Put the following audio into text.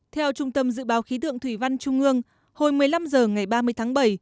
theo trung tâm dự báo khí tượng thủy văn trung ương hồi một mươi năm h ngày ba mươi tháng bảy